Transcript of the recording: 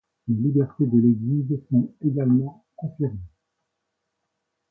Les libertés de l'Église sont également confirmées.